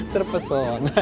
gue mau kasih tau aja